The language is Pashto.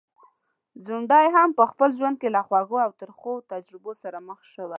ځونډی هم په خپل ژوند کي له خوږو او ترخو تجربو سره مخ شوی.